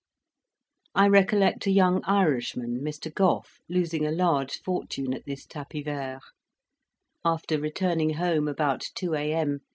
I recollect a young Irishman, Mr. Gough, losing a large fortune at this tapis vert. After returning home about two A.M.